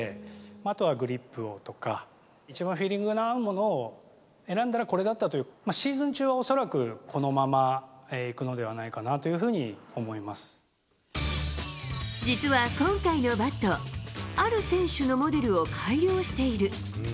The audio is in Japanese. あとはグリップとか、一番フィーリングのあるものを選んだらこれだったという、シーズン中は恐らくこのままいくのではないかなというふうに思い実は今回のバット、ある選手のモデルを改良している。